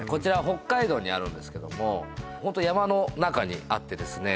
北海道にあるんですけどもホント山の中にあってですね